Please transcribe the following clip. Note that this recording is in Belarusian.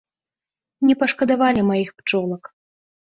Не пашкадавалі маіх пчолак.